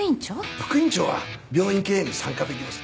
副院長は病院経営に参加できます。